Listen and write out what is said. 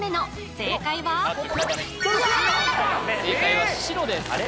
正解は白ですあれ？